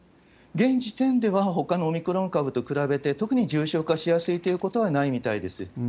現時点ではほかのオミクロン株と比べて、特に重症化しやすいということはないみたいです。